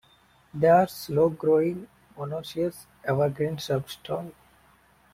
They are slow-growing, monoecious, evergreen shrubs tall.